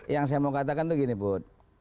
yang saya mau katakan itu gini bud